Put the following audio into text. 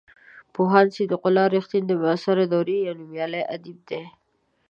پوهاند صدیق الله رښتین د معاصرې دورې یو نومیالی ادیب دی.